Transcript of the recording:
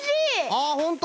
あほんと！